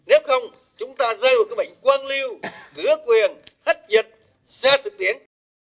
nếu không chúng ta rơi vào cái bệnh quang lưu ngứa quyền hất nhiệt xe tự tiến